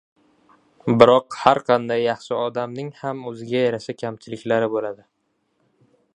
Biroq har qanday yaxshi odamning ham o‘ziga yarasha kamchiliklari bo‘ladi.